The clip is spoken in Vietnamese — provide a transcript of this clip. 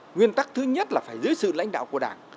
nguyên tắc thứ nhất là phải dưới sự lãnh đạo của đảng